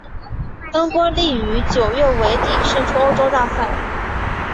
恩波利于九月尾底胜出欧洲大赛。